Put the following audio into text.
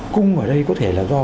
cung ở đây có thể là do